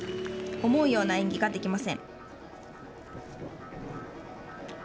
思うような演技ができません。